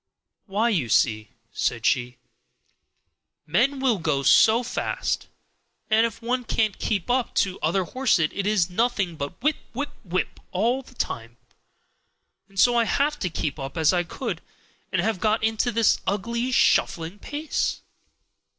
"Why, you see," said she, "men will go so fast, and if one can't keep up to other horses it is nothing but whip, whip, whip, all the time. And so I have had to keep up as I could, and have got into this ugly shuffling pace.